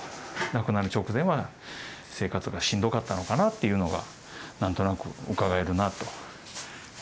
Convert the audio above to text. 亡くなる直前は生活がしんどかったのかなっていうのが何となくうかがえるなと。